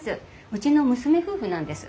うちの娘夫婦なんです。